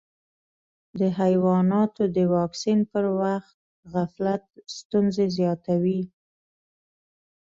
د حیواناتو د واکسین پر وخت غفلت ستونزې زیاتوي.